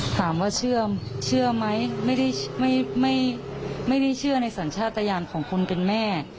ถามว่าเชื่อไหมไม่ได้เชื่อในสัญชาติยานของคนเป็นแม่